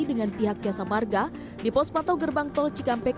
dengan pihak jasa marga di pos pantau gerbang tol cikampek